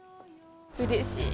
うれしい！